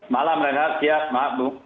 malam renat siap maaf bu